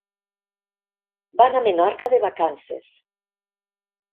Van a Menorca de vacances.